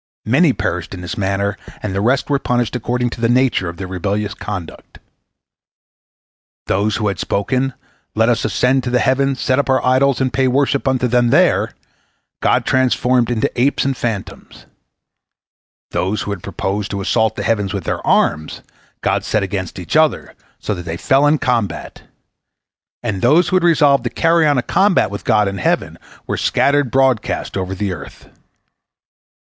Many perished in this manner, and the rest were punished according to the nature of their rebellious conduct. Those who had spoken, "Let us ascend into the heavens, set up our idols, and pay worship unto them there," God transformed into apes and phantoms; those who had proposed to assault the heavens with their arms, God set against each other so that they fell in the combat; and those who had resolved to carry on a combat with God in heaven were scattered broadcast over the earth.